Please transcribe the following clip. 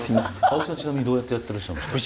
青木さんちなみにどうやってやってらっしゃるんですか？